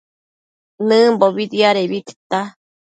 Nëmbobi diadebi tita